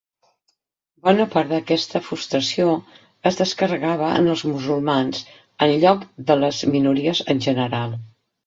Bona part d'aquesta frustració es descarregava en els musulmans en lloc de les minories en general.